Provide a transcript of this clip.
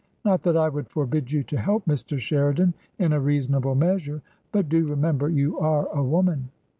Not that I would forbid you to help Mr. Sheridan in a reasonable measure. But do remember you are a woman."